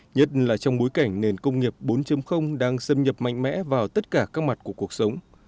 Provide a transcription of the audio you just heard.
nhất là trong bối cảnh nền công nghiệp bốn đang xâm nhập mạnh mẽ vào tất cả các mặt của cuộc sống